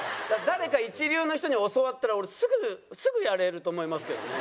誰か一流の人に教わったら俺すぐやれると思いますけどね。